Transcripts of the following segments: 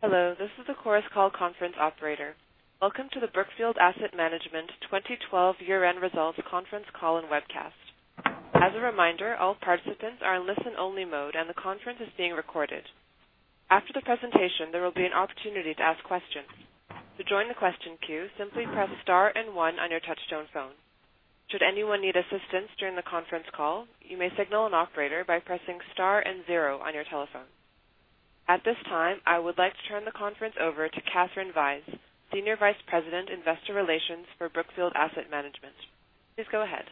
Hello, this is the Chorus Call conference operator. Welcome to the Brookfield Asset Management 2012 year-end results conference call and webcast. As a reminder, all participants are in listen-only mode, and the conference is being recorded. After the presentation, there will be an opportunity to ask questions. To join the question queue, simply press star 1 on your touch-tone phone. Should anyone need assistance during the conference call, you may signal an operator by pressing star 0 on your telephone. At this time, I would like to turn the conference over to Katherine Vyse, Senior Vice President, Investor Relations for Brookfield Asset Management. Please go ahead.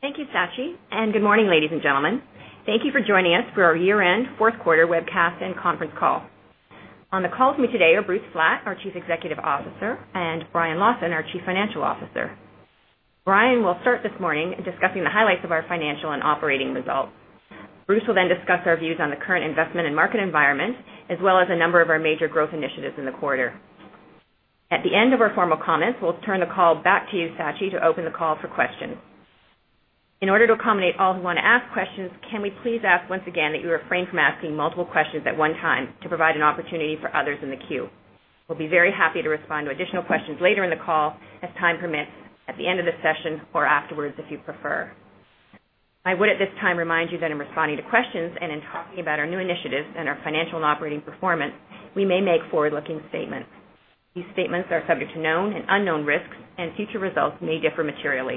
Thank you, Sachin. Good morning, ladies and gentlemen. Thank you for joining us for our year-end fourth quarter webcast and conference call. On the call with me today are Bruce Flatt, our Chief Executive Officer, and Brian Lawson, our Chief Financial Officer. Brian will start this morning discussing the highlights of our financial and operating results. Bruce will discuss our views on the current investment and market environment, as well as a number of our major growth initiatives in the quarter. At the end of our formal comments, we'll turn the call back to you, Sachin, to open the call for questions. In order to accommodate all who want to ask questions, can we please ask once again that you refrain from asking multiple questions at 1 time to provide an opportunity for others in the queue? We'll be very happy to respond to additional questions later in the call as time permits, at the end of the session or afterwards, if you prefer. I would, at this time, remind you that in responding to questions and in talking about our new initiatives and our financial and operating performance, we may make forward-looking statements. These statements are subject to known and unknown risks. Future results may differ materially.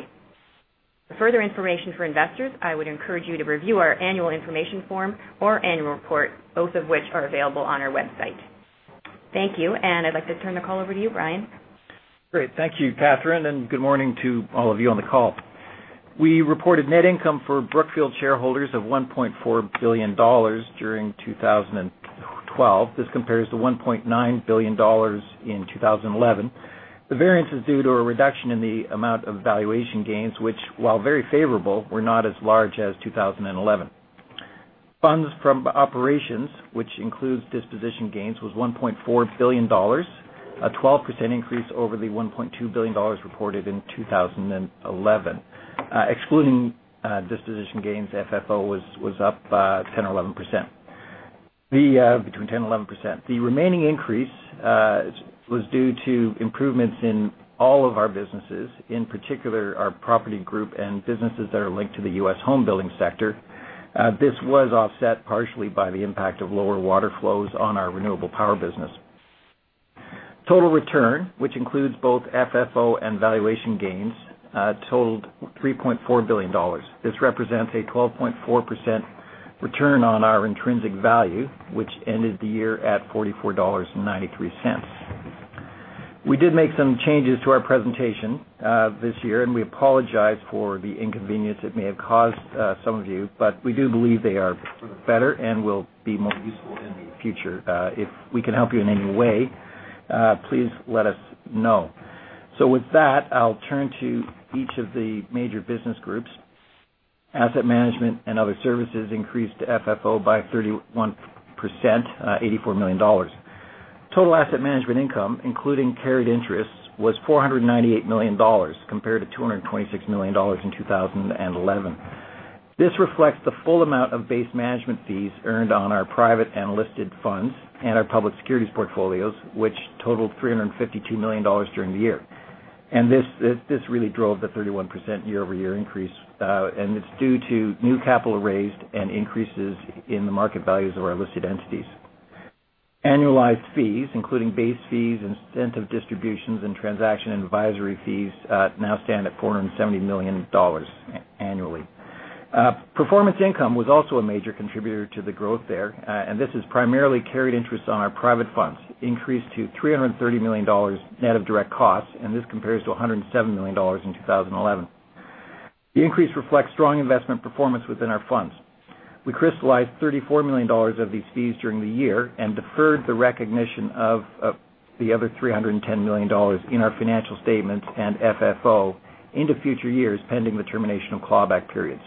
For further information for investors, I would encourage you to review our annual information form or annual report, both of which are available on our website. Thank you. I'd like to turn the call over to you, Brian. Great. Thank you, Katherine. Good morning to all of you on the call. We reported net income for Brookfield shareholders of $1.4 billion during 2012. This compares to $1.9 billion in 2011. The variance is due to a reduction in the amount of valuation gains, which, while very favorable, were not as large as 2011. Funds from operations, which includes disposition gains, was $1.4 billion, a 12% increase over the $1.2 billion reported in 2011. Excluding disposition gains, FFO was up between 10% and 11%. The remaining increase was due to improvements in all of our businesses, in particular our property group and businesses that are linked to the U.S. home building sector. This was offset partially by the impact of lower water flows on our renewable power business. Total return, which includes both FFO and valuation gains, totaled $3.4 billion. This represents a 12.4% return on our intrinsic value, which ended the year at $44.93. We apologize for the inconvenience it may have caused some of you, but we do believe they are for the better and will be more useful in the future. If we can help you in any way, please let us know. With that, I'll turn to each of the major business groups. Asset management and other services increased FFO by 31%, $84 million. Total asset management income, including carried interests, was $498 million, compared to $226 million in 2011. This reflects the full amount of base management fees earned on our private and listed funds and our public securities portfolios, which totaled $352 million during the year. This really drove the 31% year-over-year increase. It's due to new capital raised and increases in the market values of our listed entities. Annualized fees, including base fees, incentive distributions, and transaction and advisory fees, now stand at $470 million annually. Performance income was also a major contributor to the growth there, this is primarily carried interest on our private funds, increased to $330 million net of direct costs, this compares to $107 million in 2011. The increase reflects strong investment performance within our funds. We crystallized $34 million of these fees during the year and deferred the recognition of the other $310 million in our financial statements and FFO into future years, pending the termination of clawback periods.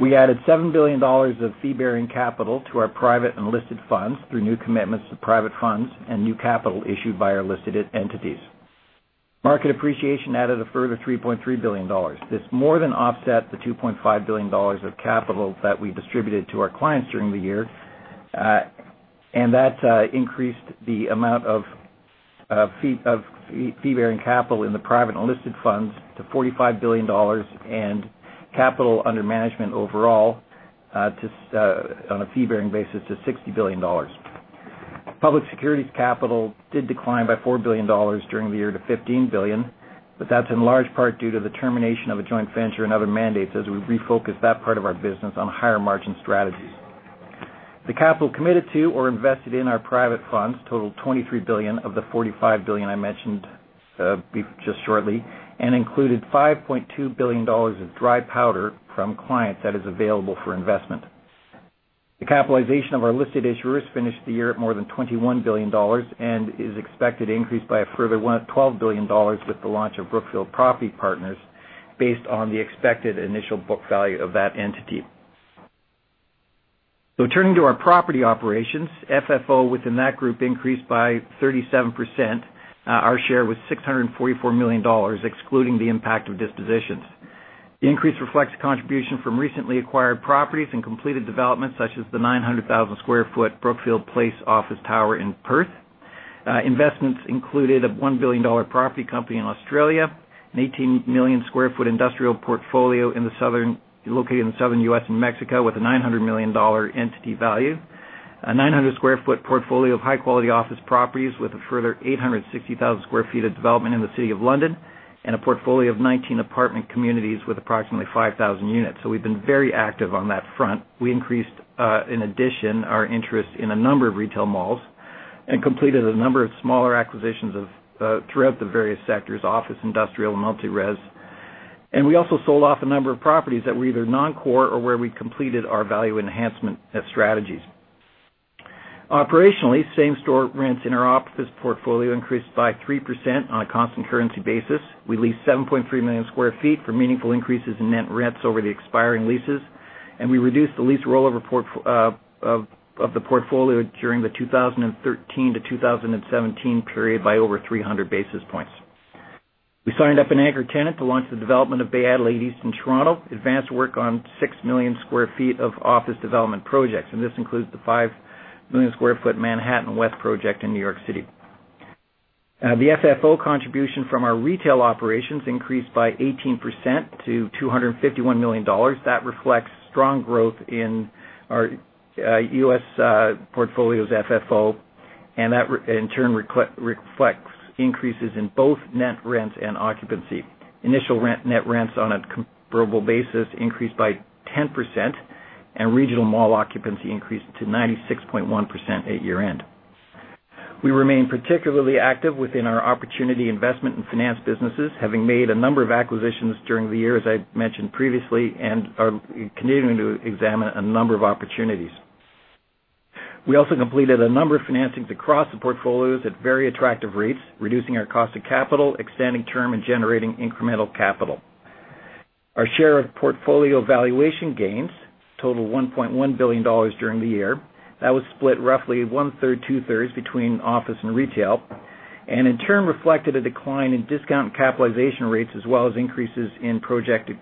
We added $7 billion of fee-bearing capital to our private and listed funds through new commitments to private funds and new capital issued by our listed entities. Market appreciation added a further $3.3 billion. This more than offset the $2.5 billion of capital that we distributed to our clients during the year. That increased the amount of fee-bearing capital in the private unlisted funds to $45 billion and capital under management overall, on a fee-bearing basis, to $60 billion. Public securities capital did decline by $4 billion during the year to $15 billion, that's in large part due to the termination of a joint venture and other mandates as we refocused that part of our business on higher margin strategies. The capital committed to or invested in our private funds totaled $23 billion of the $45 billion I mentioned just shortly, and included $5.2 billion of dry powder from clients that is available for investment. The capitalization of our listed issuers finished the year at more than $21 billion and is expected to increase by a further $12 billion with the launch of Brookfield Property Partners based on the expected initial book value of that entity. Turning to our property operations, FFO within that group increased by 37%. Our share was $644 million, excluding the impact of dispositions. The increase reflects contribution from recently acquired properties and completed developments, such as the 900,000 square foot Brookfield Place office tower in Perth. Investments included a $1 billion property company in Australia, an 18 million square foot industrial portfolio located in the Southern U.S. and Mexico with a $900 million entity value, a 900 square foot portfolio of high-quality office properties with a further 860,000 square feet of development in the City of London, and a portfolio of 19 apartment communities with approximately 5,000 units. We've been very active on that front. We increased, in addition, our interest in a number of retail malls and completed a number of smaller acquisitions throughout the various sectors, office, industrial, and multi-res. We also sold off a number of properties that were either non-core or where we'd completed our value enhancement strategies. Operationally, same store rents in our office portfolio increased by 3% on a constant currency basis. We leased 7.3 million sq ft for meaningful increases in net rents over the expiring leases. We reduced the lease rollover of the portfolio during the 2013-2017 period by over 300 basis points. We signed up an anchor tenant to launch the development of Bay Adelaide East in Toronto, advanced work on 6 million sq ft of office development projects. This includes the 5 million sq ft Manhattan West project in New York City. The FFO contribution from our retail operations increased by 18% to $251 million. That reflects strong growth in our U.S. portfolio's FFO, and that, in turn, reflects increases in both net rents and occupancy. Initial net rents on a comparable basis increased by 10%. Regional mall occupancy increased to 96.1% at year-end. We remain particularly active within our opportunity investment and finance businesses, having made a number of acquisitions during the year, as I mentioned previously, and are continuing to examine a number of opportunities. We also completed a number of financings across the portfolios at very attractive rates, reducing our cost of capital, extending term, and generating incremental capital. Our share of portfolio valuation gains total $1.1 billion during the year. That was split roughly one-third, two-thirds between office and retail, and in turn reflected a decline in discount and capitalization rates, as well as increases in projected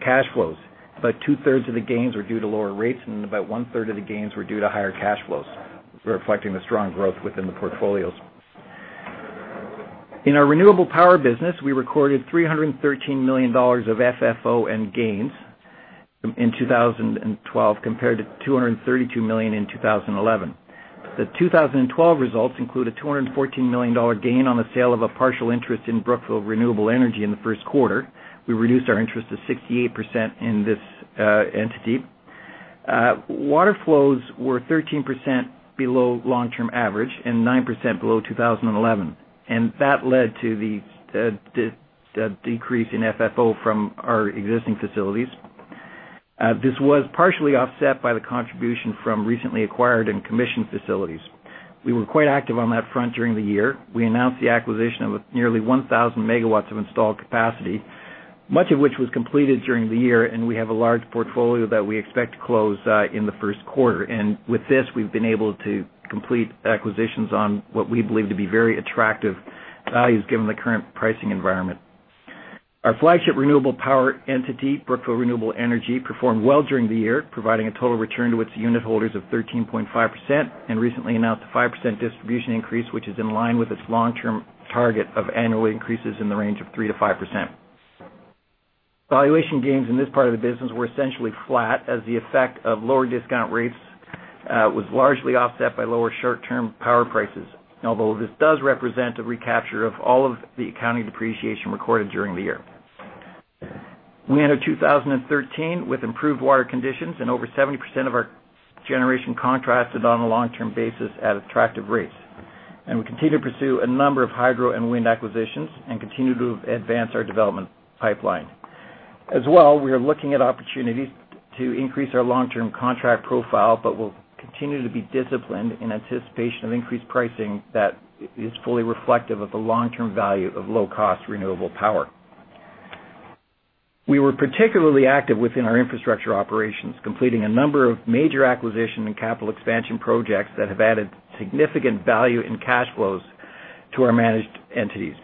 cash flows. About two-thirds of the gains were due to lower rates, and about one-third of the gains were due to higher cash flows, reflecting the strong growth within the portfolios. In our renewable power business, we recorded $313 million of FFO and gains in 2012 compared to $232 million in 2011. The 2012 results include a $214 million gain on the sale of a partial interest in Brookfield Renewable Energy in the first quarter. We reduced our interest to 68% in this entity. Water flows were 13% below long-term average and 9% below 2011. That led to the decrease in FFO from our existing facilities. This was partially offset by the contribution from recently acquired and commissioned facilities. We were quite active on that front during the year. We announced the acquisition of nearly 1,000 megawatts of installed capacity, much of which was completed during the year. We have a large portfolio that we expect to close in the first quarter. With this, we've been able to complete acquisitions on what we believe to be very attractive values given the current pricing environment. Our flagship renewable power entity, Brookfield Renewable Energy, performed well during the year, providing a total return to its unit holders of 13.5%, and recently announced a 5% distribution increase, which is in line with its long-term target of annual increases in the range of 3%-5%. Valuation gains in this part of the business were essentially flat as the effect of lower discount rates was largely offset by lower short-term power prices, although this does represent a recapture of all of the accounting depreciation recorded during the year. We enter 2013 with improved water conditions and over 70% of our generation contracted on a long-term basis at attractive rates. We continue to pursue a number of hydro and wind acquisitions and continue to advance our development pipeline. As well, we are looking at opportunities to increase our long-term contract profile, we'll continue to be disciplined in anticipation of increased pricing that is fully reflective of the long-term value of low-cost renewable power. We were particularly active within our infrastructure operations, completing a number of major acquisition and capital expansion projects that have added significant value in cash flows to our managed entities.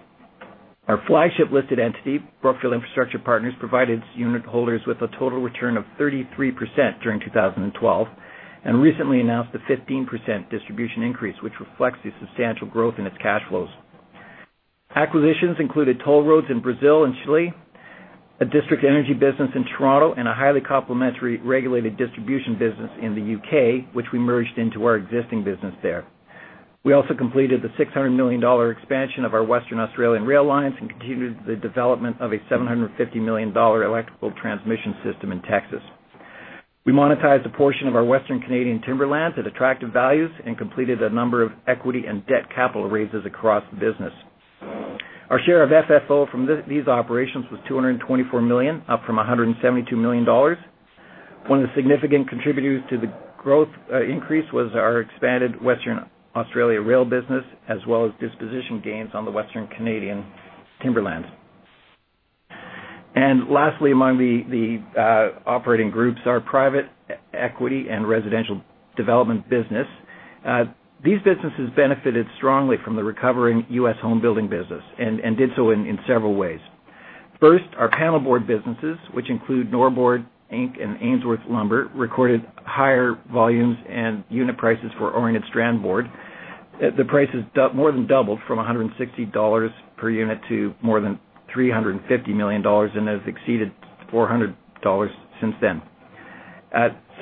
Our flagship listed entity, Brookfield Infrastructure Partners, provided its unit holders with a total return of 33% during 2012 and recently announced a 15% distribution increase, which reflects the substantial growth in its cash flows. Acquisitions included toll roads in Brazil and Chile, a district energy business in Toronto, and a highly complementary regulated distribution business in the U.K., which we merged into our existing business there. We also completed the $600 million expansion of our Western Australian rail lines and continued the development of a $750 million electrical transmission system in Texas. We monetized a portion of our Western Canadian timberlands at attractive values and completed a number of equity and debt capital raises across the business. Our share of FFO from these operations was $224 million, up from $172 million. One of the significant contributors to the growth increase was our expanded Western Australia rail business, as well as disposition gains on the Western Canadian timberlands. Lastly, among the operating groups, our private equity and residential development business. These businesses benefited strongly from the recovering U.S. home building business and did so in several ways. First, our panel board businesses, which include Norbord Inc. and Ainsworth Lumber, recorded higher volumes and unit prices for Oriented Strand Board. The prices more than doubled from $160 per unit to more than $350 million and have exceeded $400 million since then.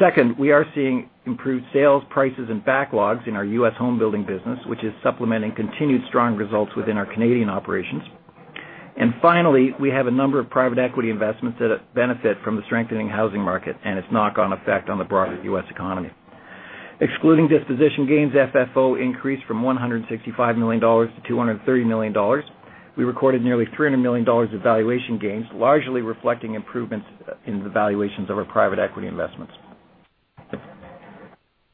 Second, we are seeing improved sales prices and backlogs in our U.S. home building business, which is supplementing continued strong results within our Canadian operations. Finally, we have a number of private equity investments that benefit from the strengthening housing market and its knock-on effect on the broader U.S. economy. Excluding disposition gains, FFO increased from $165 million to $230 million. We recorded nearly $300 million of valuation gains, largely reflecting improvements in the valuations of our private equity investments.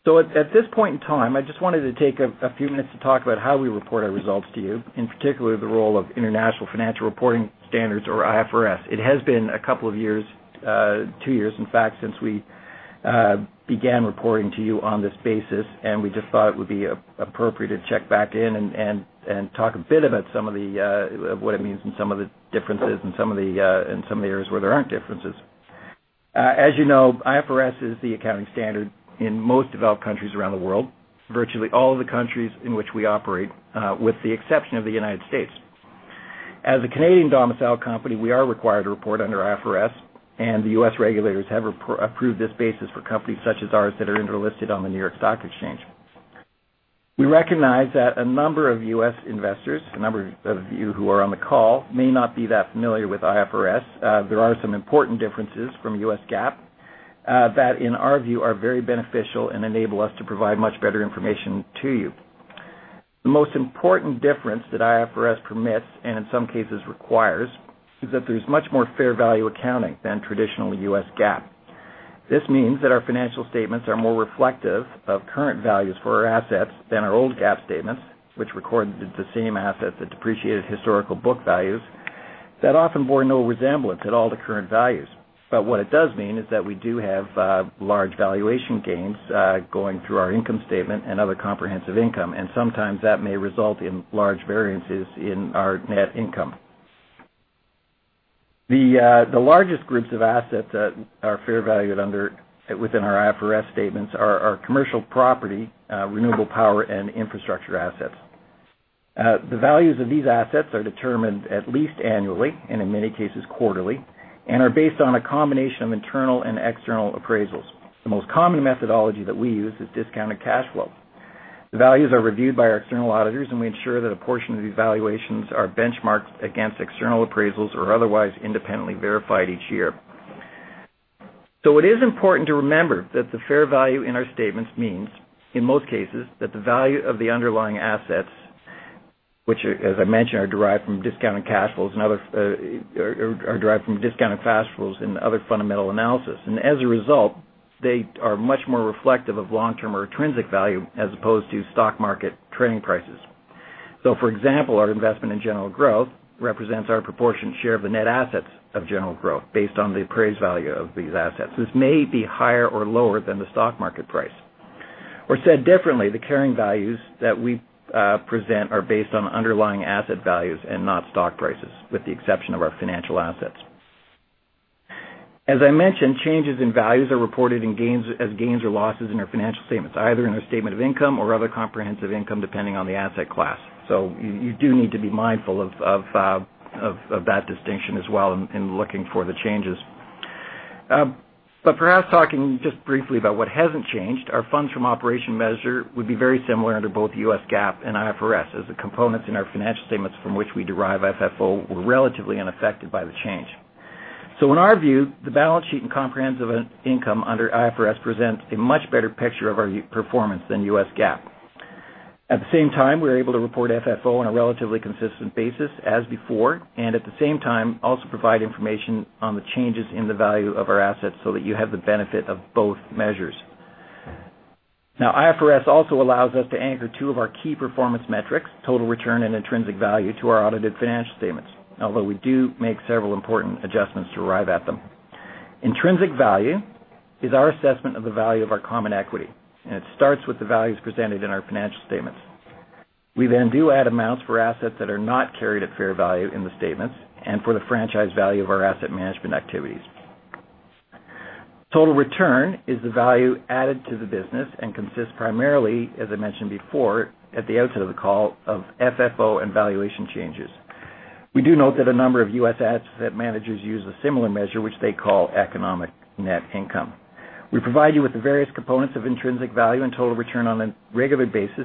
At this point in time, I just wanted to take a few minutes to talk about how we report our results to you, in particular, the role of International Financial Reporting Standards or IFRS. It has been a couple of years, two years, in fact, since we began reporting to you on this basis. We just thought it would be appropriate to check back in and talk a bit about what it means and some of the differences and some of the areas where there aren't differences. As you know, IFRS is the accounting standard in most developed countries around the world, virtually all of the countries in which we operate, with the exception of the United States. As a Canadian domicile company, we are required to report under IFRS. The U.S. regulators have approved this basis for companies such as ours that are inter-listed on the New York Stock Exchange. We recognize that a number of U.S. investors, a number of you who are on the call, may not be that familiar with IFRS. There are some important differences from U.S. GAAP that, in our view, are very beneficial and enable us to provide much better information to you. The most important difference that IFRS permits, and in some cases requires, is that there's much more fair value accounting than traditional U.S. GAAP. This means that our financial statements are more reflective of current values for our assets than our old GAAP statements, which recorded the same assets at depreciated historical book values that often bore no resemblance at all to current values. What it does mean is that we do have large valuation gains going through our income statement and other comprehensive income, and sometimes that may result in large variances in our net income. The largest groups of assets that are fair valued within our IFRS statements are our commercial property, renewable power, and infrastructure assets. The values of these assets are determined at least annually, and in many cases quarterly, and are based on a combination of internal and external appraisals. The most common methodology that we use is discounted cash flow. The values are reviewed by our external auditors, and we ensure that a portion of these valuations are benchmarked against external appraisals or otherwise independently verified each year. It is important to remember that the fair value in our statements means, in most cases, that the value of the underlying assets, which as I mentioned, are derived from discounted cash flows and other fundamental analysis. As a result, they are much more reflective of long-term or intrinsic value as opposed to stock market trading prices. For example, our investment in General Growth represents our proportionate share of the net assets of General Growth based on the appraised value of these assets. This may be higher or lower than the stock market price. Said differently, the carrying values that we present are based on underlying asset values and not stock prices, with the exception of our financial assets. As I mentioned, changes in values are reported as gains or losses in our financial statements, either in our statement of income or other comprehensive income, depending on the asset class. You do need to be mindful of that distinction as well in looking for the changes. Perhaps talking just briefly about what hasn't changed, our funds from operation measure would be very similar under both U.S. GAAP and IFRS as the components in our financial statements from which we derive FFO were relatively unaffected by the change. In our view, the balance sheet and comprehensive income under IFRS presents a much better picture of our performance than U.S. GAAP. At the same time, we're able to report FFO on a relatively consistent basis as before, and at the same time, also provide information on the changes in the value of our assets so that you have the benefit of both measures. IFRS also allows us to anchor two of our key performance metrics, total return and intrinsic value, to our audited financial statements, although we do make several important adjustments to arrive at them. Intrinsic value is our assessment of the value of our common equity, and it starts with the values presented in our financial statements. We then do add amounts for assets that are not carried at fair value in the statements and for the franchise value of our asset management activities. Total return is the value added to the business and consists primarily, as I mentioned before at the outset of the call, of FFO and valuation changes. We do note that a number of U.S. asset managers use a similar measure, which they call economic net income. We provide you with the various components of intrinsic value and total return on a regular basis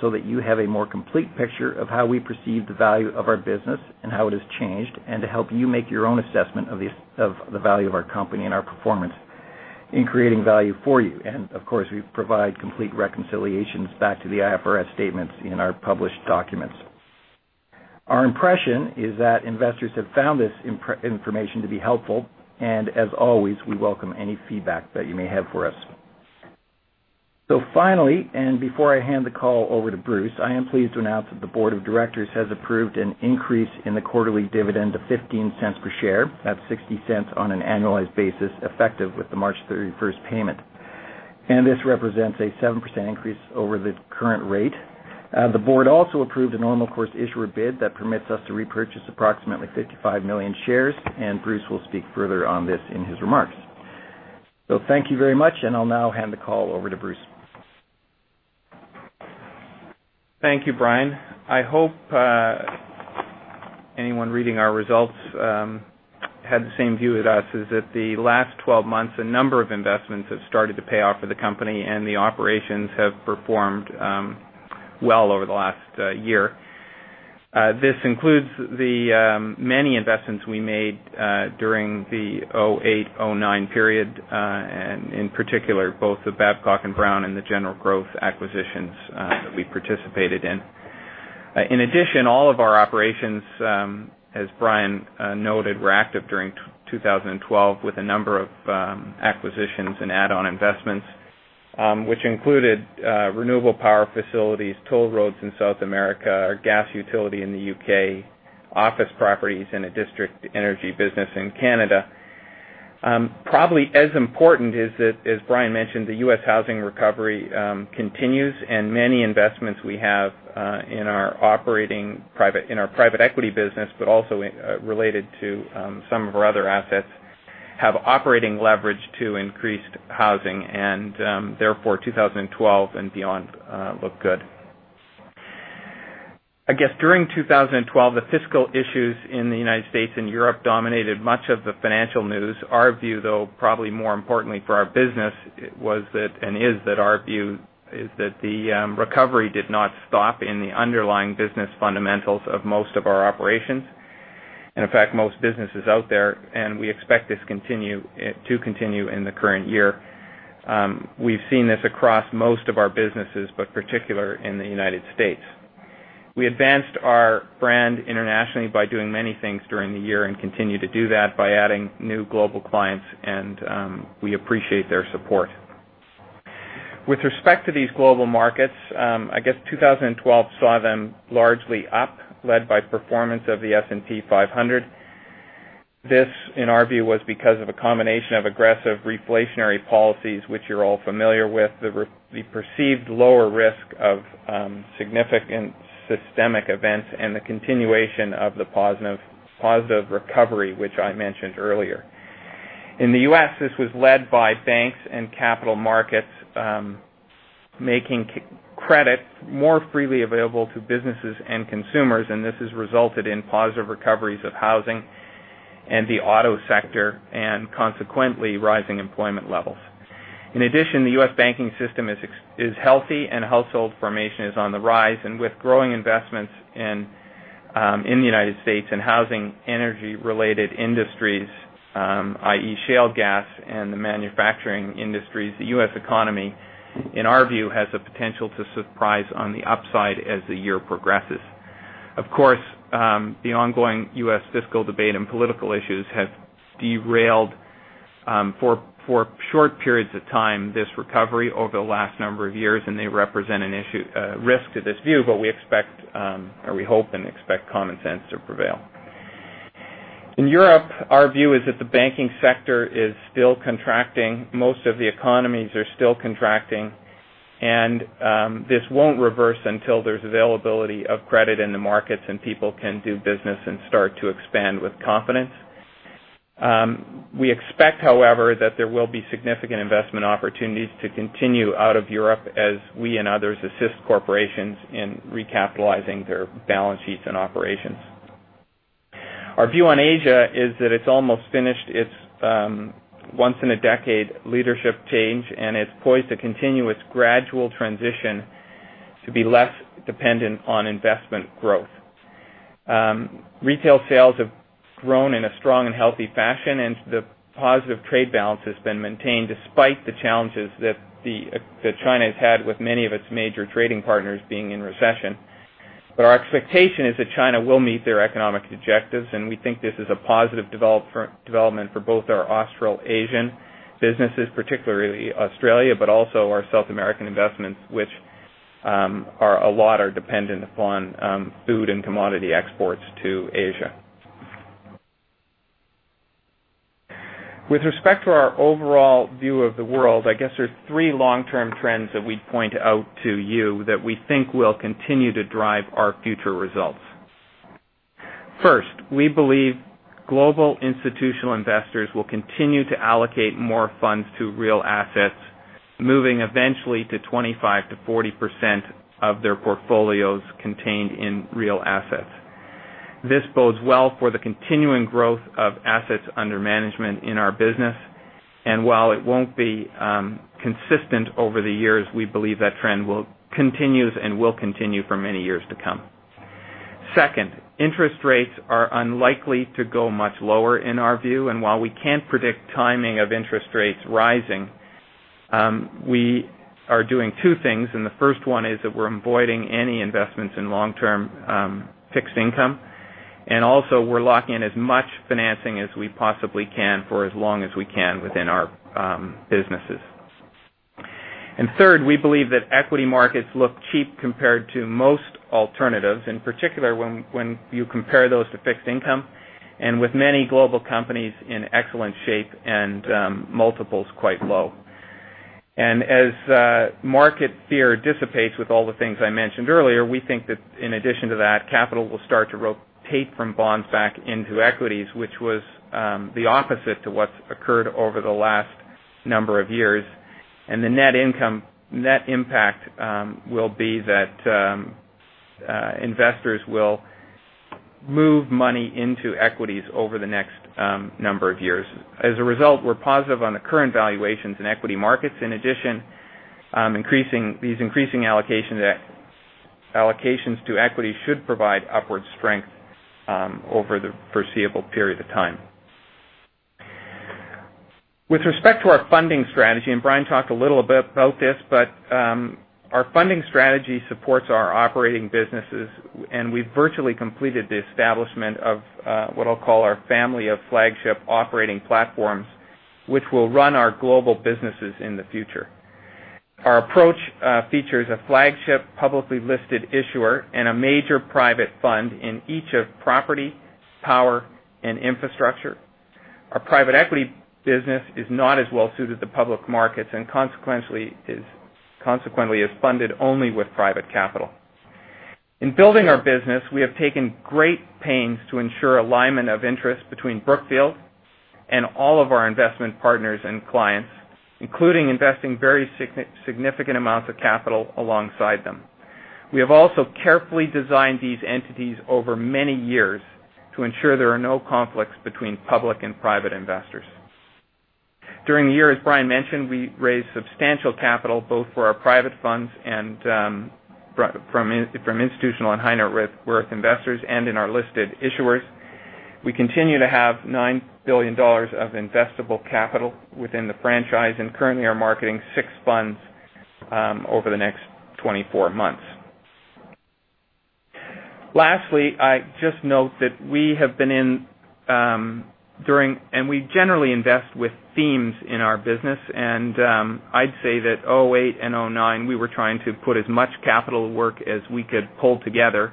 so that you have a more complete picture of how we perceive the value of our business and how it has changed, and to help you make your own assessment of the value of our company and our performance in creating value for you. Of course, we provide complete reconciliations back to the IFRS statements in our published documents. Our impression is that investors have found this information to be helpful, and as always, we welcome any feedback that you may have for us. Finally, and before I hand the call over to Bruce, I am pleased to announce that the board of directors has approved an increase in the quarterly dividend to $0.15 per share. That's $0.60 on an annualized basis, effective with the March 31st payment. This represents a 7% increase over the current rate. The board also approved a normal course issuer bid that permits us to repurchase approximately 55 million shares, and Bruce will speak further on this in his remarks. Thank you very much, and I'll now hand the call over to Bruce. Thank you, Brian. I hope anyone reading our results had the same view as us, is that the last 12 months, a number of investments have started to pay off for the company, and the operations have performed well over the last year. This includes the many investments we made during the 2008, 2009 period, and in particular, both the Babcock & Brown and the General Growth acquisitions that we participated in. In addition, all of our operations, as Brian noted, were active during 2012 with a number of acquisitions and add-on investments, which included renewable power facilities, toll roads in South America, our gas utility in the U.K., office properties, and a district energy business in Canada. Probably as important is that, as Brian mentioned, the U.S. housing recovery continues and many investments we have in our private equity business, but also related to some of our other assets, have operating leverage to increased housing, and therefore, 2012 and beyond look good. During 2012, the fiscal issues in the United States and Europe dominated much of the financial news. Our view, though, probably more importantly for our business, was that and is that our view is that the recovery did not stop in the underlying business fundamentals of most of our operations, and in fact, most businesses out there, and we expect this to continue in the current year. We've seen this across most of our businesses, but particular in the U.S. We advanced our brand internationally by doing many things during the year, continue to do that by adding new global clients. We appreciate their support. With respect to these global markets, 2012 saw them largely up, led by performance of the S&P 500. This, in our view, was because of a combination of aggressive reflationary policies, which you're all familiar with, the perceived lower risk of significant systemic events, and the continuation of the positive recovery, which I mentioned earlier. In the U.S., this was led by banks and capital markets making credit more freely available to businesses and consumers. This has resulted in positive recoveries of housing and the auto sector. Consequently, rising employment levels. In addition, the U.S. banking system is healthy and household formation is on the rise. With growing investments in the United States in housing, energy-related industries, i.e., shale gas, and the manufacturing industries, the U.S. economy, in our view, has the potential to surprise on the upside as the year progresses. Of course, the ongoing U.S. fiscal debate and political issues have derailed, for short periods of time, this recovery over the last number of years. They represent a risk to this view. We expect, or we hope and expect, common sense to prevail. In Europe, our view is that the banking sector is still contracting. Most of the economies are still contracting. This won't reverse until there's availability of credit in the markets and people can do business and start to expand with confidence. We expect, however, that there will be significant investment opportunities to continue out of Europe as we and others assist corporations in recapitalizing their balance sheets and operations. Our view on Asia is that it's almost finished its once-in-a-decade leadership change, and is poised to continue its gradual transition to be less dependent on investment growth. Retail sales have grown in a strong and healthy fashion, and the positive trade balance has been maintained despite the challenges that China has had with many of its major trading partners being in recession. Our expectation is that China will meet their economic objectives. We think this is a positive development for both our Australasian businesses, particularly Australia, but also our South American investments, which a lot are dependent upon food and commodity exports to Asia. With respect to our overall view of the world, I guess there's three long-term trends that we'd point out to you that we think will continue to drive our future results. First, we believe global institutional investors will continue to allocate more funds to real assets, moving eventually to 25%-40% of their portfolios contained in real assets. This bodes well for the continuing growth of assets under management in our business. While it won't be consistent over the years, we believe that trend continues and will continue for many years to come. Second, interest rates are unlikely to go much lower, in our view. While we can't predict timing of interest rates rising, we are doing two things. The first one is that we're avoiding any investments in long-term fixed income. Also, we're locking in as much financing as we possibly can for as long as we can within our businesses. Third, we believe that equity markets look cheap compared to most alternatives, in particular when you compare those to fixed income. With many global companies in excellent shape and multiples quite low. As market fear dissipates with all the things I mentioned earlier, we think that in addition to that, capital will start to rotate from bonds back into equities, which was the opposite to what's occurred over the last number of years. The net impact will be that investors will move money into equities over the next number of years. As a result, we're positive on the current valuations in equity markets. In addition, these increasing allocations to equity should provide upward strength over the foreseeable period of time. With respect to our funding strategy, and Brian talked a little bit about this, but our funding strategy supports our operating businesses, and we've virtually completed the establishment of, what I'll call our family of flagship operating platforms, which will run our global businesses in the future. Our approach features a flagship publicly listed issuer and a major private fund in each of property, power, and infrastructure. Our private equity business is not as well-suited to public markets and consequently is funded only with private capital. In building our business, we have taken great pains to ensure alignment of interest between Brookfield and all of our investment partners and clients, including investing very significant amounts of capital alongside them. We have also carefully designed these entities over many years to ensure there are no conflicts between public and private investors. During the year, as Brian mentioned, we raised substantial capital both for our private funds and from institutional and high net worth investors, and in our listed issuers. We continue to have $9 billion of investable capital within the franchise and currently are marketing six funds over the next 24 months. Lastly, I just note that we have been in. We generally invest with themes in our business. I'd say that 2008 and 2009, we were trying to put as much capital to work as we could pull together.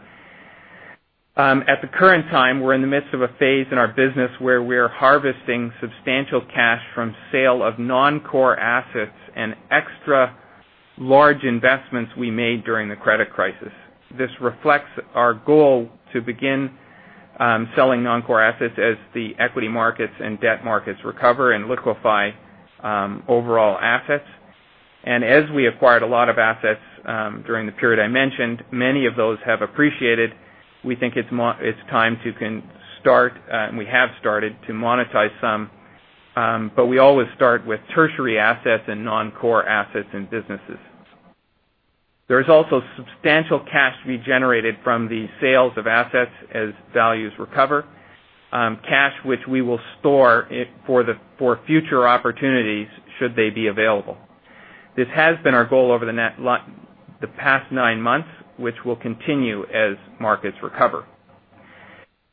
At the current time, we're in the midst of a phase in our business where we're harvesting substantial cash from sale of non-core assets and extra-large investments we made during the credit crisis. This reflects our goal to begin selling non-core assets as the equity markets and debt markets recover and liquefy overall assets. As we acquired a lot of assets during the period I mentioned, many of those have appreciated. We think it's time to start, and we have started to monetize some. We always start with tertiary assets and non-core assets and businesses. There's also substantial cash to be generated from the sales of assets as values recover. Cash which we will store for future opportunities should they be available. This has been our goal over the past nine months, which will continue as markets recover.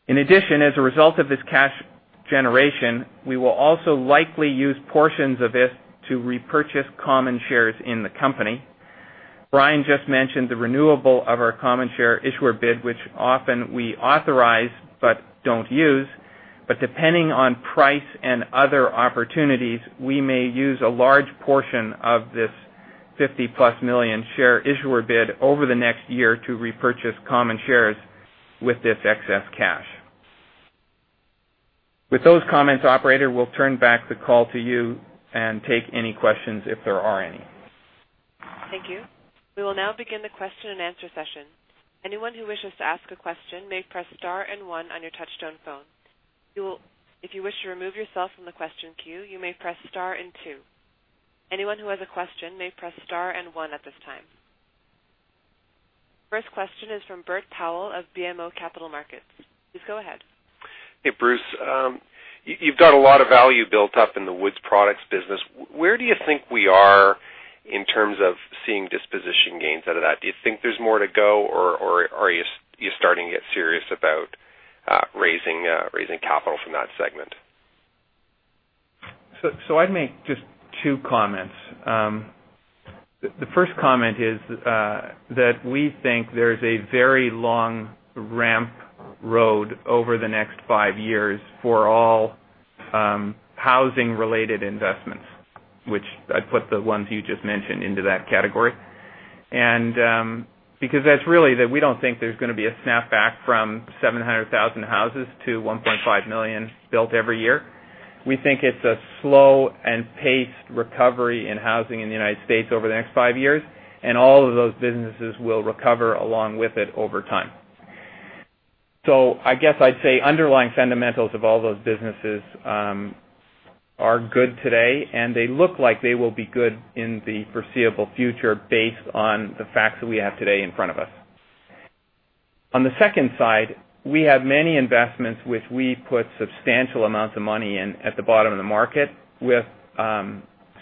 In addition, as a result of this cash generation, we will also likely use portions of this to repurchase common shares in the company. Brian just mentioned the renewal of our common share issuer bid, which often we authorize but don't use. Depending on price and other opportunities, we may use a large portion of this 50 plus million share issuer bid over the next year to repurchase common shares with this excess cash. With those comments, operator, we'll turn back the call to you and take any questions if there are any. Thank you. We will now begin the question-and-answer session. Anyone who wishes to ask a question may press star and one on your touchtone phone. If you wish to remove yourself from the question queue, you may press star and two. Anyone who has a question may press star and one at this time. First question is from Bert Powell of BMO Capital Markets. Please go ahead. Hey, Bruce. You've got a lot of value built up in the Wood Products business. Where do you think we are in terms of seeing disposition gains out of that? Do you think there's more to go, or are you starting to get serious about raising capital from that segment? I'd make just two comments. The first comment is that we think there's a very long ramp road over the next five years for all housing-related investments, which I'd put the ones you just mentioned into that category. Because that's really that we don't think there's going to be a snapback from 700,000 houses to 1.5 million built every year. We think it's a slow and paced recovery in housing in the U.S. over the next five years, and all of those businesses will recover along with it over time. I guess I'd say underlying fundamentals of all those businesses are good today, and they look like they will be good in the foreseeable future based on the facts that we have today in front of us. On the second side, we have many investments which we put substantial amounts of money in at the bottom of the market with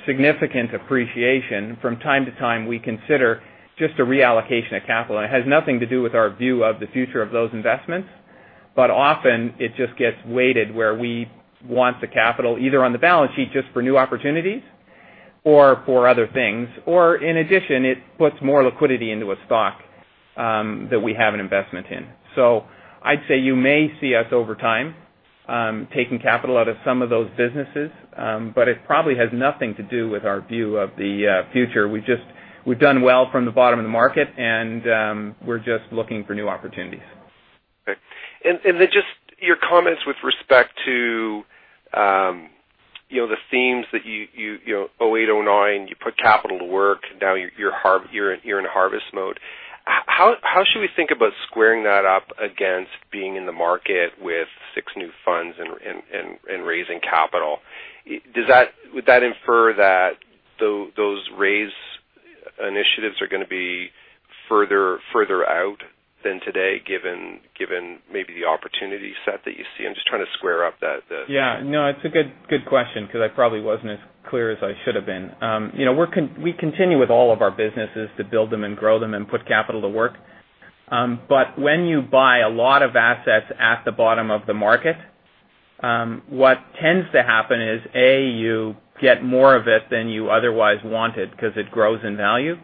significant appreciation. From time to time, we consider just a reallocation of capital, and it has nothing to do with our view of the future of those investments. Often it just gets weighted where we want the capital, either on the balance sheet just for new opportunities. For other things, or in addition, it puts more liquidity into a stock that we have an investment in. I'd say you may see us over time, taking capital out of some of those businesses, but it probably has nothing to do with our view of the future. We've done well from the bottom of the market, and we're just looking for new opportunities. Okay. Just your comments with respect to the themes that you, '08, '09, you put capital to work. Now you're in harvest mode. How should we think about squaring that up against being in the market with six new funds and raising capital? Would that infer that those raise initiatives are going to be further out than today, given maybe the opportunity set that you see? I'm just trying to square up that- Yeah. No, it's a good question because I probably wasn't as clear as I should have been. We continue with all of our businesses to build them and grow them and put capital to work. When you buy a lot of assets at the bottom of the market, what tends to happen is, A, you get more of it than you otherwise wanted because it grows in value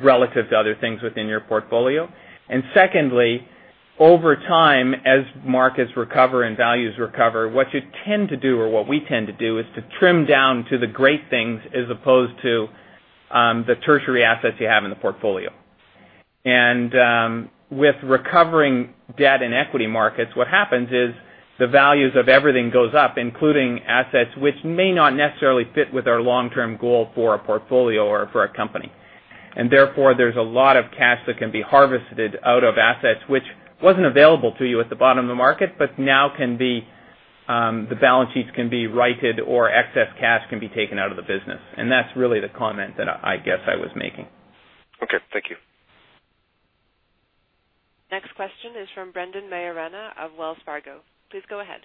relative to other things within your portfolio. Secondly, over time, as markets recover and values recover, what you tend to do or what we tend to do, is to trim down to the great things as opposed to the tertiary assets you have in the portfolio. With recovering debt and equity markets, what happens is the values of everything goes up, including assets which may not necessarily fit with our long-term goal for a portfolio or for a company. Therefore, there's a lot of cash that can be harvested out of assets, which wasn't available to you at the bottom of the market, but now the balance sheets can be righted or excess cash can be taken out of the business. That's really the comment that I guess I was making. Okay. Thank you. Next question is from Brendan Maiorana of Wells Fargo. Please go ahead.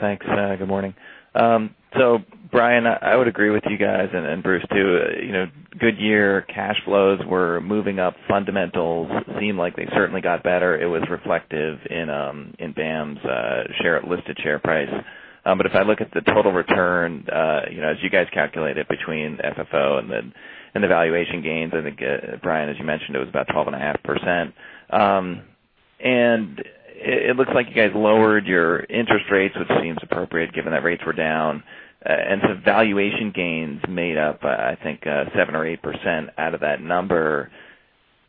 Thanks. Good morning. Brian, I would agree with you guys and Bruce too. Goodyear cash flows were moving up. Fundamentals seem like they certainly got better. It was reflective in BAM's listed share price. If I look at the total return, as you guys calculate it between FFO and the valuation gains, I think, Brian, as you mentioned, it was about 12.5%. It looks like you guys lowered your interest rates, which seems appropriate given that rates were down. Some valuation gains made up, I think, 7% or 8% out of that number.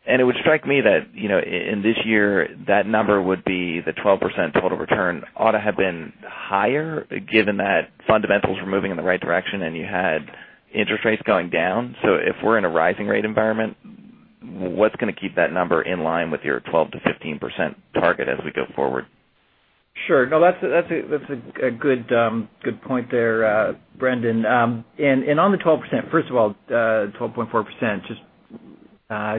It would strike me that in this year, that number would be the 12% total return ought to have been higher, given that fundamentals were moving in the right direction and you had interest rates going down. If we're in a rising rate environment, what's going to keep that number in line with your 12%-15% target as we go forward? Sure. No, that's a good point there, Brendan. On the 12%, first of all, 12.4%,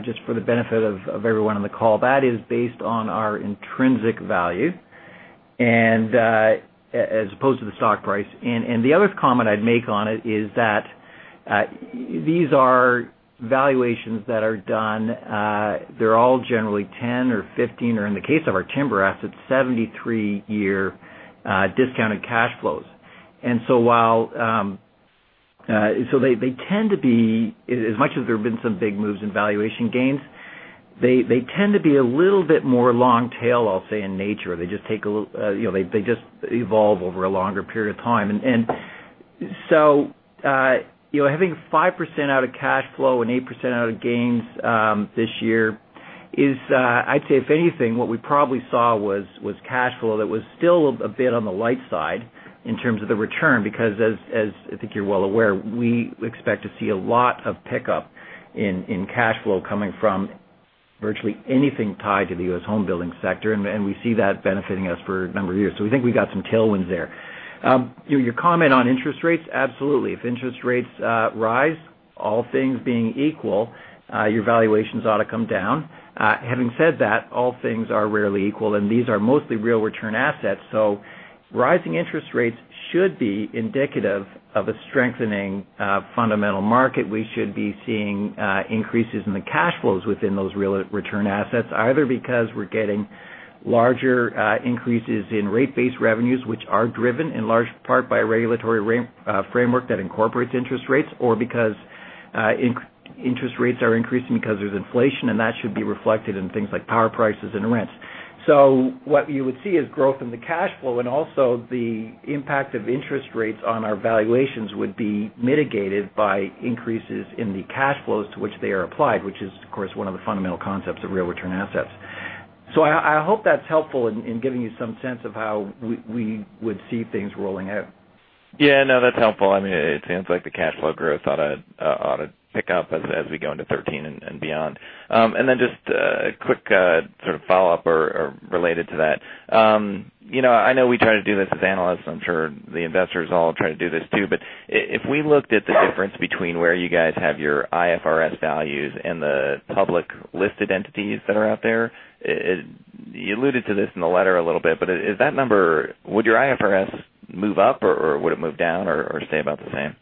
just for the benefit of everyone on the call. That is based on our intrinsic value. As opposed to the stock price. The other comment I'd make on it is that these are valuations that are done. They're all generally 10 or 15, or in the case of our timber assets, 73-year discounted cash flows. They tend to be, as much as there have been some big moves in valuation gains, they tend to be a little bit more long tail, I'll say, in nature. They just evolve over a longer period of time. Having 5% out of cash flow and 8% out of gains, this year is, I'd say if anything, what we probably saw was cash flow that was still a bit on the light side in terms of the return, because as I think you're well aware, we expect to see a lot of pickup in cash flow coming from virtually anything tied to the U.S. home building sector. We see that benefiting us for a number of years. We think we got some tailwinds there. Your comment on interest rates, absolutely. If interest rates rise, all things being equal, your valuations ought to come down. Having said that, all things are rarely equal, and these are mostly real return assets. Rising interest rates should be indicative of a strengthening fundamental market. We should be seeing increases in the cash flows within those real return assets, either because we're getting larger increases in rate-based revenues, which are driven in large part by a regulatory framework that incorporates interest rates, or because interest rates are increasing because of inflation, and that should be reflected in things like power prices and rents. What you would see is growth in the cash flow, and also the impact of interest rates on our valuations would be mitigated by increases in the cash flows to which they are applied, which is, of course, one of the fundamental concepts of real return assets. I hope that's helpful in giving you some sense of how we would see things rolling out. Yeah. No, that's helpful. It seems like the cash flow growth ought to pick up as we go into 2013 and beyond. Just a quick sort of follow-up or related to that. I know we try to do this as analysts. I'm sure the investors all try to do this too. If we looked at the difference between where you guys have your IFRS values and the public listed entities that are out there, you alluded to this in the letter a little bit. Would your IFRS move up or would it move down or stay about the same?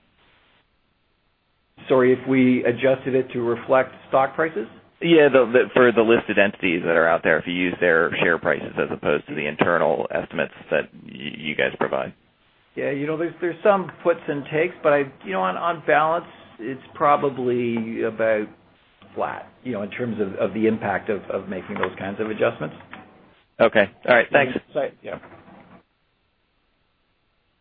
Sorry, if we adjusted it to reflect stock prices? Yeah. For the listed entities that are out there, if you use their share prices as opposed to the internal estimates that you guys provide. Yeah. There's some puts and takes, but on balance, it's probably about flat, in terms of the impact of making those kinds of adjustments. Okay. All right. Thanks. Yeah.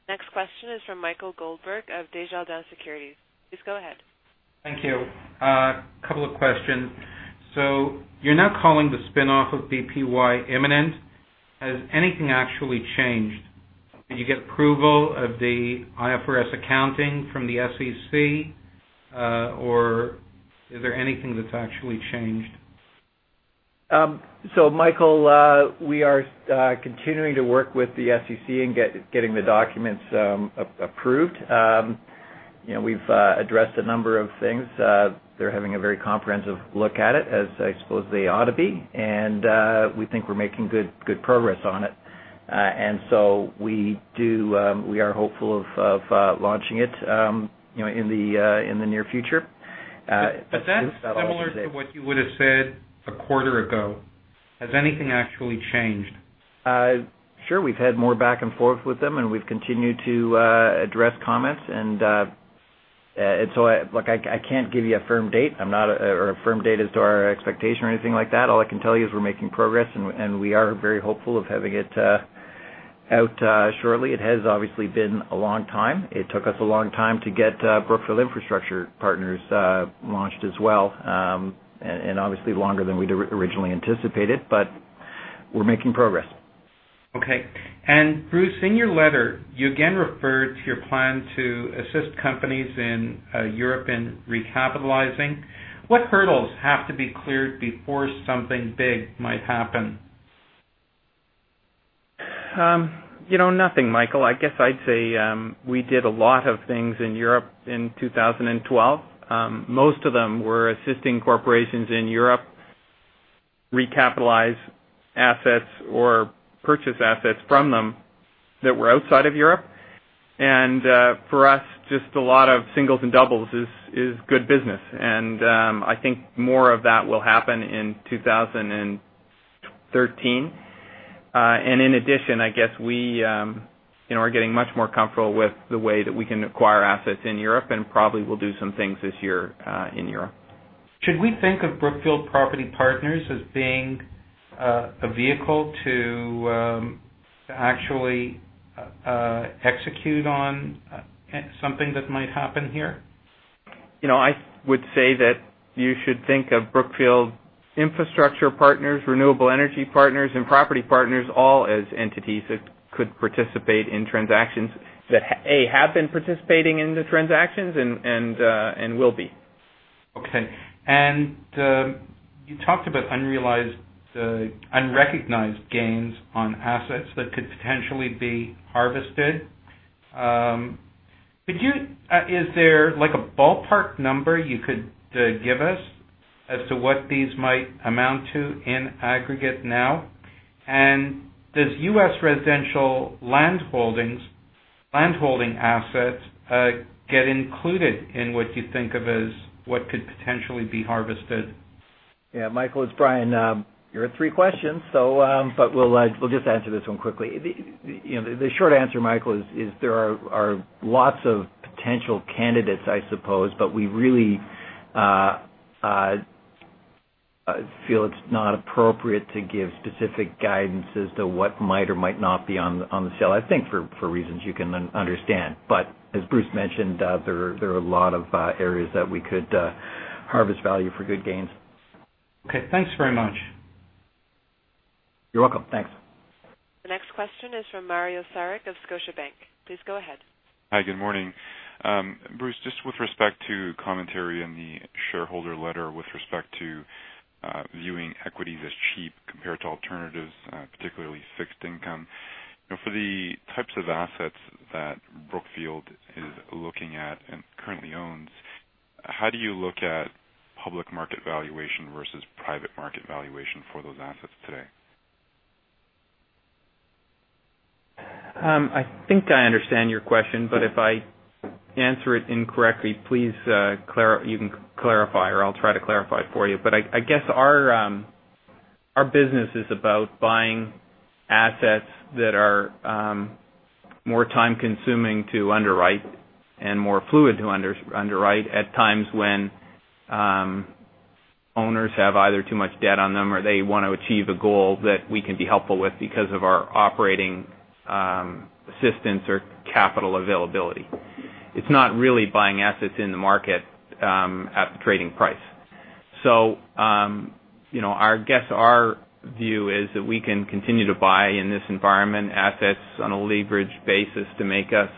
Next question is from Michael Goldberg of Desjardins Securities. Please go ahead. Thank you. A couple of questions. You're now calling the spinoff of BPY imminent. Has anything actually changed? Did you get approval of the IFRS accounting from the SEC, or is there anything that's actually changed? Michael, we are continuing to work with the SEC in getting the documents approved. We've addressed a number of things. They're having a very comprehensive look at it, as I suppose they ought to be. We think we're making good progress on it. We are hopeful of launching it in the near future. That's similar to what you would have said a quarter ago. Has anything actually changed? Sure. We've had more back and forth with them, and we've continued to address comments. Look, I can't give you a firm date. A firm date as to our expectation or anything like that. All I can tell you is we're making progress, and we are very hopeful of having it out shortly. It has obviously been a long time. It took us a long time to get Brookfield Infrastructure Partners launched as well, and obviously longer than we'd originally anticipated. We're making progress. Okay. Bruce, in your letter, you again referred to your plan to assist companies in Europe in recapitalizing. What hurdles have to be cleared before something big might happen? Nothing, Michael. I guess I'd say, we did a lot of things in Europe in 2012. Most of them were assisting corporations in Europe recapitalize assets or purchase assets from them that were outside of Europe. For us, just a lot of singles and doubles is good business. I think more of that will happen in 2013. In addition, I guess we are getting much more comfortable with the way that we can acquire assets in Europe and probably will do some things this year, in Europe. Should we think of Brookfield Property Partners as being a vehicle to actually execute on something that might happen here? I would say that you should think of Brookfield Infrastructure Partners, Brookfield Renewable Energy Partners, and Brookfield Property Partners all as entities that could participate in transactions that, A, have been participating in the transactions and will be. Okay. You talked about unrealized, unrecognized gains on assets that could potentially be harvested. Is there a ballpark number you could give us as to what these might amount to in aggregate now? Does U.S. residential land holdings, landholding assets, get included in what you think of as what could potentially be harvested? Yeah. Michael, it's Brian. You are at three questions, we will just answer this one quickly. The short answer, Michael, is there are lots of potential candidates, I suppose, we really feel it's not appropriate to give specific guidance as to what might or might not be on the sale, I think for reasons you can understand. As Bruce mentioned, there are a lot of areas that we could harvest value for good gains. Okay. Thanks very much. You're welcome. Thanks. The next question is from Mario Saric of Scotiabank. Please go ahead. Hi. Good morning. Bruce, just with respect to commentary in the shareholder letter with respect to viewing equities as cheap compared to alternatives, particularly fixed income. For the types of assets that Brookfield is looking at and currently owns, how do you look at public market valuation versus private market valuation for those assets today? I think I understand your question, if I answer it incorrectly, please you can clarify or I'll try to clarify for you. I guess our business is about buying assets that are more time-consuming to underwrite and more fluid to underwrite at times when owners have either too much debt on them or they want to achieve a goal that we can be helpful with because of our operating assistance or capital availability. It's not really buying assets in the market, at the trading price. I guess our view is that we can continue to buy, in this environment, assets on a leverage basis to make us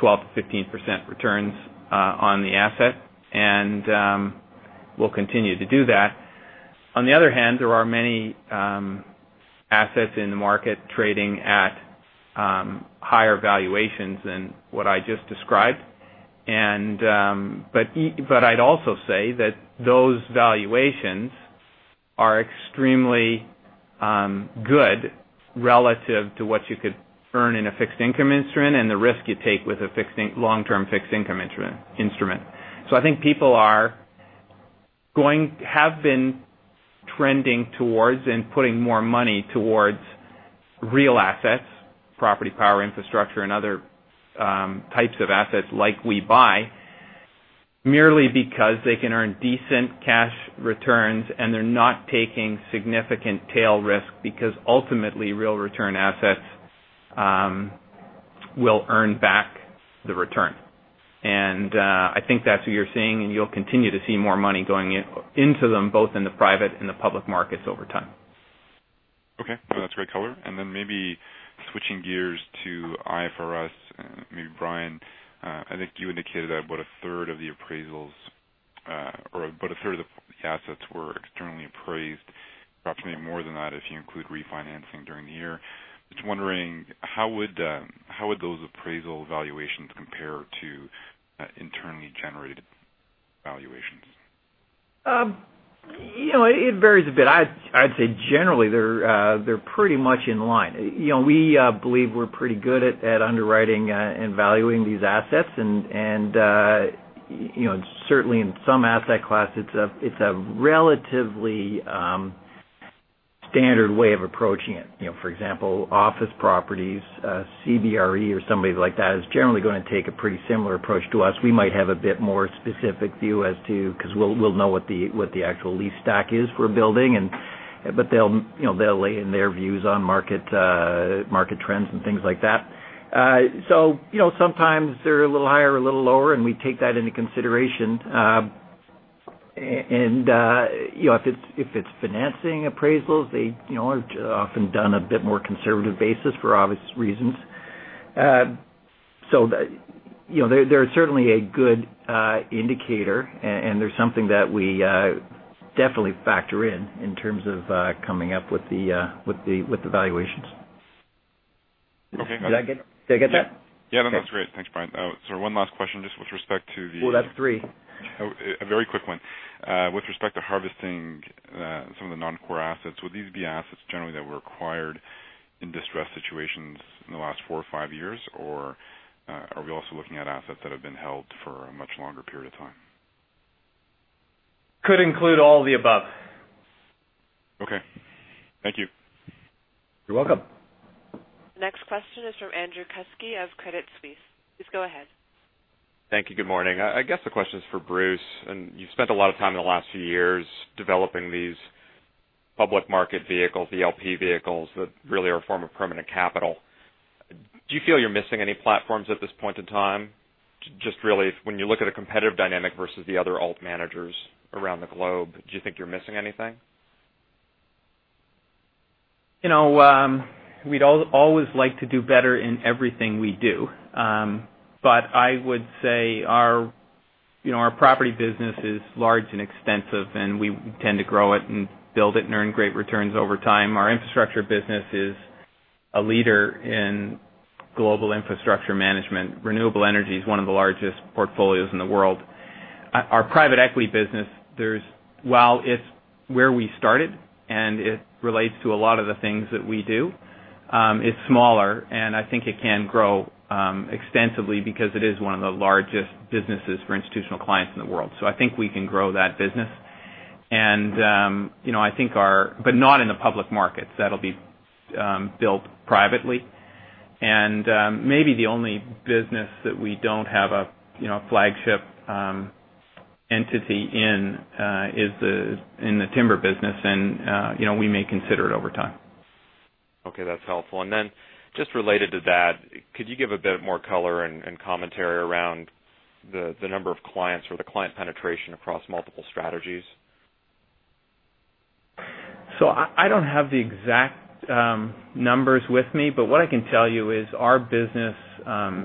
12%-15% returns on the asset. We'll continue to do that. On the other hand, there are many assets in the market trading at higher valuations than what I just described. I'd also say that those valuations are extremely good relative to what you could earn in a fixed income instrument and the risk you take with a long-term fixed income instrument. I think people have been trending towards and putting more money towards real assets, property, power, infrastructure, and other types of assets like we buy merely because they can earn decent cash returns, and they're not taking significant tail risk, because ultimately, real return assets will earn back the return. I think that's what you're seeing, and you'll continue to see more money going into them, both in the private and the public markets over time. No, that's great color. Maybe switching gears to IFRS. Maybe Brian, I think you indicated about a third of the appraisals or about a third of the assets were externally appraised, approximately more than that if you include refinancing during the year. Just wondering, how would those appraisal valuations compare to internally generated valuations? It varies a bit. I'd say generally, they're pretty much in line. We believe we're pretty good at underwriting and valuing these assets. Certainly in some asset classes, it's a relatively standard way of approaching it. For example, office properties, CBRE or somebody like that is generally going to take a pretty similar approach to us. We might have a bit more specific view as to, because we'll know what the actual lease stack is for a building, but they'll lay in their views on market trends and things like that. Sometimes they're a little higher or a little lower, and we take that into consideration. If it's financing appraisals, they are often done a bit more conservative basis for obvious reasons. They're certainly a good indicator, and they're something that we definitely factor in terms of coming up with the valuations. Okay. Did I get that? Yeah. No, that's great. Thanks, Brian. One last question, just with respect to. Oh, that's three. A very quick one. With respect to harvesting some of the non-core assets, would these be assets generally that were acquired in distressed situations in the last four or five years, or are we also looking at assets that have been held for a much longer period of time? Could include all of the above. Okay. Thank you. You're welcome. Next question is from Andrew Kuske of Credit Suisse. Please go ahead. Thank you. Good morning. I guess the question is for Bruce. You've spent a lot of time in the last few years developing these public market vehicles, the LP vehicles, that really are a form of permanent capital. Do you feel you're missing any platforms at this point in time? Just really when you look at a competitive dynamic versus the other alt managers around the globe, do you think you're missing anything? We'd all always like to do better in everything we do. I would say our property business is large and extensive, and we tend to grow it and build it and earn great returns over time. Our infrastructure business is a leader in global infrastructure management. Renewable energy is one of the largest portfolios in the world. Our private equity business, while it's where we started and it relates to a lot of the things that we do, it's smaller, and I think it can grow extensively because it is one of the largest businesses for institutional clients in the world. I think we can grow that business. Not in the public markets. That'll be built privately. Maybe the only business that we don't have a flagship entity in is in the timber business, and we may consider it over time. Okay. That's helpful. Just related to that, could you give a bit more color and commentary around the number of clients or the client penetration across multiple strategies? I don't have the exact numbers with me, but what I can tell you is our business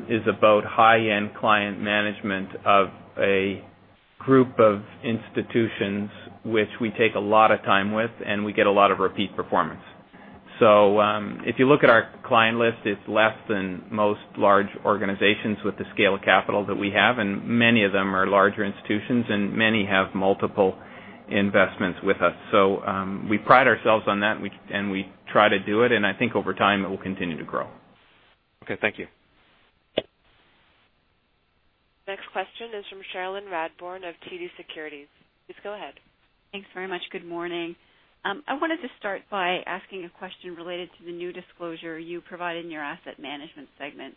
is about high-end client management of a group of institutions which we take a lot of time with, and we get a lot of repeat performance. If you look at our client list, it's less than most large organizations with the scale of capital that we have, and many of them are larger institutions, and many have multiple investments with us. We pride ourselves on that, and we try to do it, and I think over time, it will continue to grow. Okay, thank you. Next question is from Cherilyn Radbourne of TD Securities. Please go ahead. Thanks very much. Good morning. I wanted to start by asking a question related to the new disclosure you provided in your asset management segment.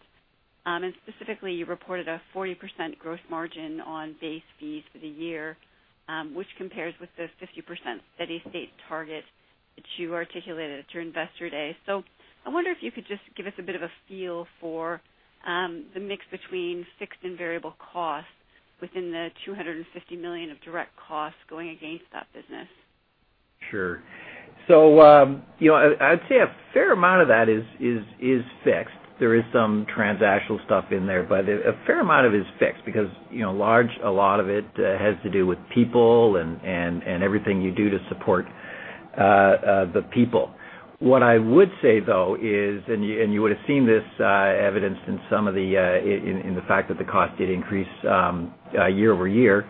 Specifically, you reported a 40% growth margin on base fees for the year, which compares with the 50% steady state target that you articulated at your Investor Day. I wonder if you could just give us a bit of a feel for the mix between fixed and variable costs within the $250 million of direct costs going against that business. Sure. I'd say a fair amount of that is fixed. There is some transactional stuff in there, but a fair amount of it is fixed because a lot of it has to do with people and everything you do to support the people. What I would say, though, is, you would've seen this evidenced in the fact that the cost did increase year-over-year,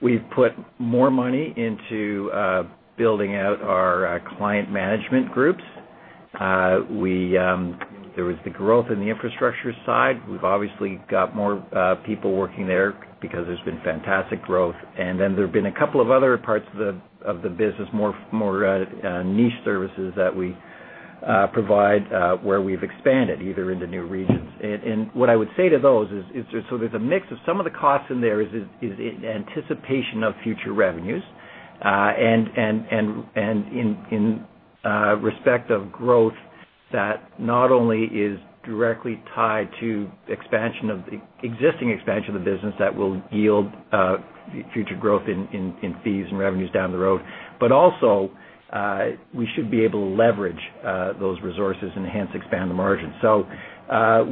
we've put more money into building out our client management groups. There was the growth in the infrastructure side. We've obviously got more people working there because there's been fantastic growth. Then there've been a couple of other parts of the business, more niche services that we provide where we've expanded, either into new regions. What I would say to those is, there's a mix of some of the costs in there is in anticipation of future revenues. In respect of growth that not only is directly tied to existing expansion of the business that will yield future growth in fees and revenues down the road, but also, we should be able to leverage those resources and hence expand the margin.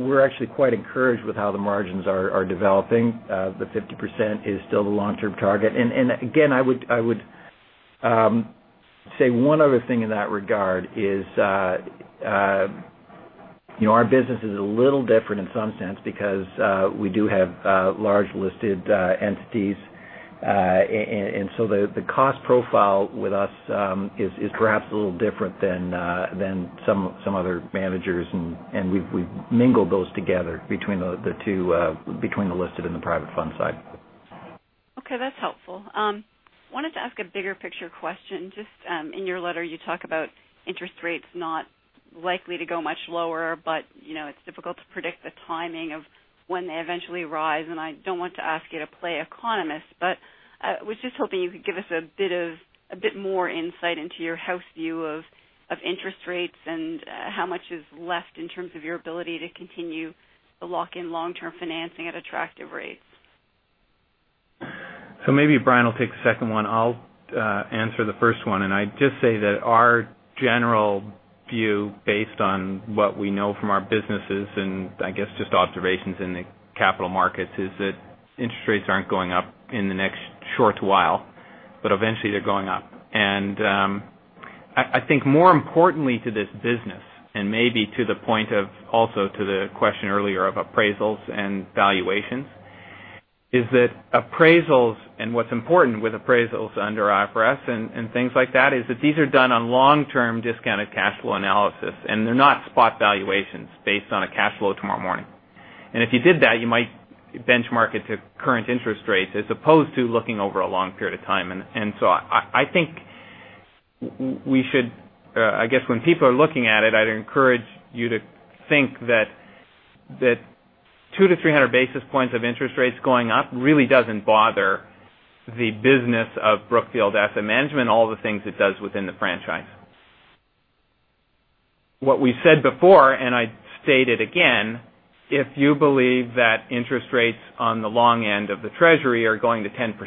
We're actually quite encouraged with how the margins are developing. The 50% is still the long-term target. Again, I would say one other thing in that regard is our business is a little different in some sense because we do have large listed entities. The cost profile with us is perhaps a little different than some other managers, and we've mingled those together between the listed and the private fund side. Okay. That's helpful. Wanted to ask a bigger picture question. Just in your letter, you talk about interest rates not likely to go much lower, but it's difficult to predict the timing of when they eventually rise. I don't want to ask you to play economist, but I was just hoping you could give us a bit more insight into your house view of interest rates and how much is left in terms of your ability to continue to lock in long-term financing at attractive rates. Maybe Brian will take the second one. I'll answer the first one. I'd just say that our general view, based on what we know from our businesses, and I guess just observations in the capital markets, is that interest rates aren't going up in the next short while, but eventually they're going up. I think more importantly to this business, and maybe to the point of also to the question earlier of appraisals and valuations, is that appraisals, and what's important with appraisals under IFRS and things like that, is that these are done on long-term discounted cash flow analysis, and they're not spot valuations based on a cash flow tomorrow morning. If you did that, you might benchmark it to current interest rates as opposed to looking over a long period of time. I think we should, I guess when people are looking at it, I'd encourage you to think that 200 to 300 basis points of interest rates going up really doesn't bother the business of Brookfield Asset Management, all the things it does within the franchise. What we've said before, and I state it again, if you believe that interest rates on the long end of the Treasury are going to 10%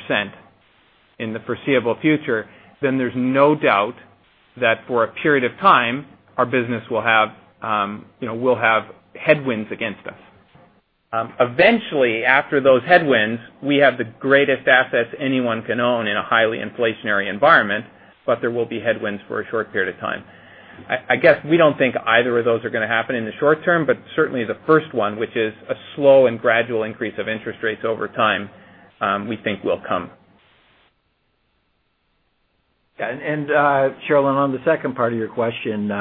in the foreseeable future, there's no doubt that for a period of time, our business will have headwinds against us. Eventually, after those headwinds, we have the greatest assets anyone can own in a highly inflationary environment, but there will be headwinds for a short period of time. I guess we don't think either of those are going to happen in the short term, but certainly the first one, which is a slow and gradual increase of interest rates over time, we think will come. Yeah. Cherilyn, on the second part of your question,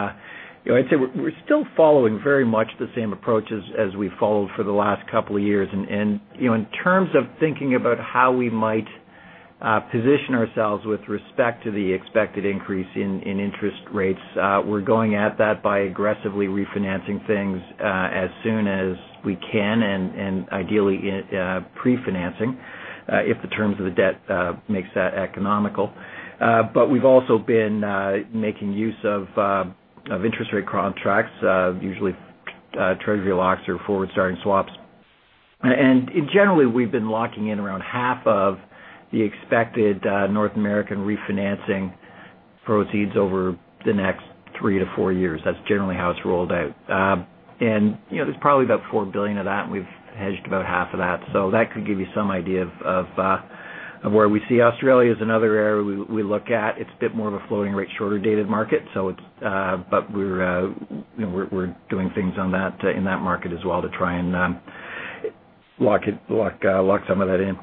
I'd say we're still following very much the same approach as we've followed for the last couple of years. In terms of thinking about how we might position ourselves with respect to the expected increase in interest rates, we're going at that by aggressively refinancing things as soon as we can and ideally pre-financing if the terms of the debt makes that economical. We've also been making use of interest rate contracts, usually Treasury locks or forward starting swaps. Generally, we've been locking in around half of the expected North American refinancing proceeds over the next three to four years. That's generally how it's rolled out. There's probably about $4 billion of that, and we've hedged about half of that. That could give you some idea of where we see. Australia as another area we look at. It's a bit more of a floating rate, shorter dated market. We're doing things in that market as well to try and lock some of that in.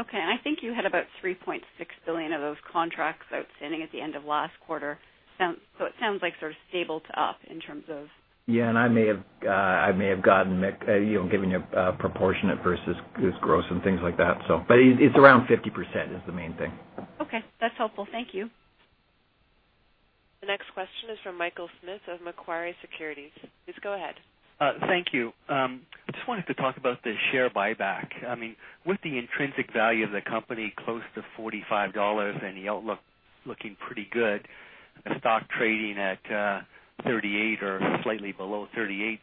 Okay. I think you had about $3.6 billion of those contracts outstanding at the end of last quarter. It sounds like sort of stable to up in terms of. I may have given you a proportionate versus gross and things like that. It is around 50% is the main thing. Okay. That's helpful. Thank you. The next question is from Michael Smith of Macquarie Securities. Please go ahead. Thank you. Just wanted to talk about the share buyback. With the intrinsic value of the company close to $45 and the outlook looking pretty good, the stock trading at $38 or slightly below $38,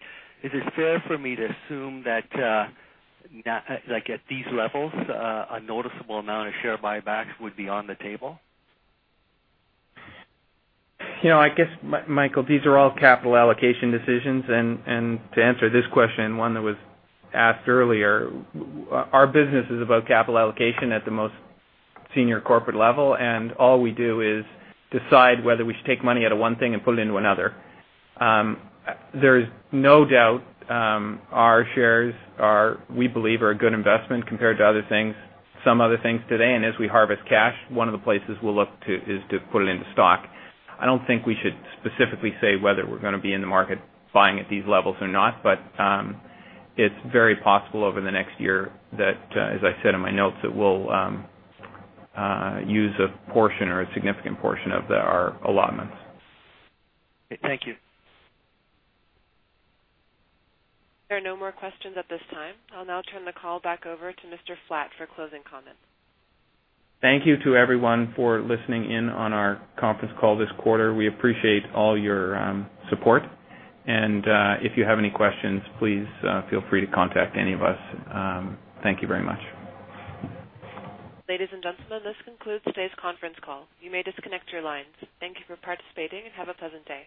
is it fair for me to assume that at these levels, a noticeable amount of share buybacks would be on the table? I guess, Michael, these are all capital allocation decisions. To answer this question, one that was asked earlier, our business is about capital allocation at the most senior corporate level, and all we do is decide whether we should take money out of one thing and put it into another. There's no doubt our shares, we believe, are a good investment compared to some other things today. As we harvest cash, one of the places we'll look to is to put it into stock. I don't think we should specifically say whether we're going to be in the market buying at these levels or not, but it's very possible over the next year that, as I said in my notes, that we'll use a portion or a significant portion of our allotments. Thank you. There are no more questions at this time. I'll now turn the call back over to Mr. Flatt for closing comments. Thank you to everyone for listening in on our conference call this quarter. We appreciate all your support. If you have any questions, please feel free to contact any of us. Thank you very much. Ladies and gentlemen, this concludes today's conference call. You may disconnect your lines. Thank you for participating and have a pleasant day.